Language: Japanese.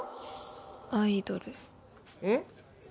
アイドルうん？